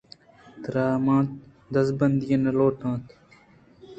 ترا منّت ءُدزبندی ئے نہ لوٹیت